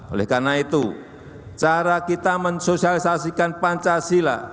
oleh karena itu cara kita mensosialisasikan pancasila